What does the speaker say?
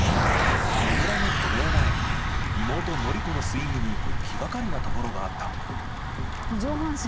野村の渡米前妹宣子のスイングに気がかりなところがあった。